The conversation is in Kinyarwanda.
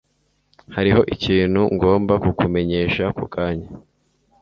Hariho ikintu ngomba kukumenyesha ako kanya.